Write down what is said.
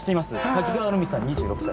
滝川ルミさん２６歳。